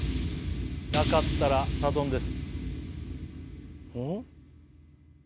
なかったらサドンデス。